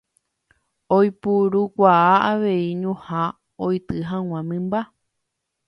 Oipurukuaa avei ñuhã oity hag̃ua mymba.